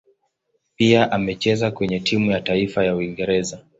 Pia amecheza kwenye timu ya taifa ya Uingereza.